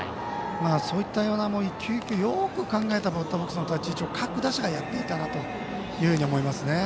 そういった、１球１球よく考えたバッターボックスの立ち位置を各打者がやっていたなと思いますね。